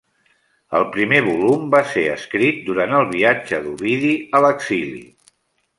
El primer volum va ser escrit durant el viatge d'Ovidi a l'exili.